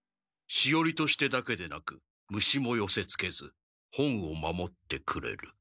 しおりとしてだけでなく虫もよせつけず本を守ってくれる。